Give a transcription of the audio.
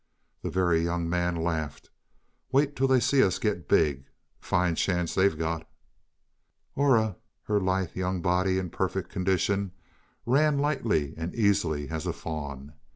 The Very Young Man laughed. "Wait till they see us get big. Fine chance they've got." Aura, her lithe, young body in perfect condition, ran lightly and easily as a fawn.